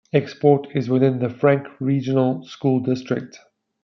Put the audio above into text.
Export is within the Franklin Regional School District.